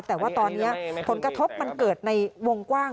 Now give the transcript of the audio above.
แต่ว่าตอนนี้ผลกระทบมันเกิดในวงกว้าง